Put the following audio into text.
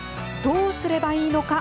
どうすればいいのか。